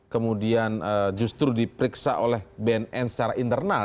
kemudian justru diperiksa oleh bnn secara internal